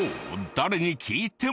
誰に聞いても。